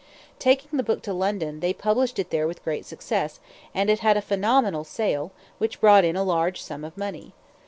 Taking the book to London, they published it there with great success, and it had a phenomenal sale, which brought in a large sum of money.